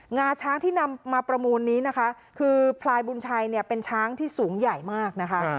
งาช้างที่นำมาประมูลนี้นะคะคือพลายบุญชัยเนี่ยเป็นช้างที่สูงใหญ่มากนะคะ